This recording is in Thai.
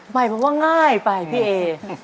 หมายความว่าง่ายไปพี่เอ